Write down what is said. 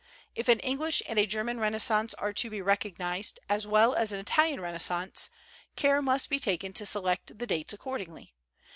If an English and a German Renaissance are to be recognized, as well as an Italian Renaissance, care must be taken to select the dates accordingly.